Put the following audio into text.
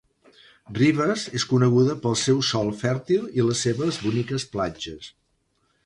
Rivas és coneguda pel seu sòl fèrtil i les seves boniques platges.